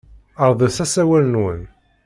Ɛerḍet asawal-nwen.